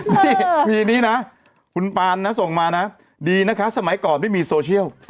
นี่ปีนี้นะคุณปานนะส่งมานะดีนะคะสมัยก่อนไม่มีโซเชียล